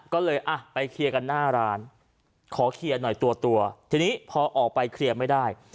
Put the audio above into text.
ก็เลยอ่ะไปเคลียร์กันหน้าร้านขอเคลียร์หน่อยตัวทีนี้พอออกไปเคลียร์ไม่ได้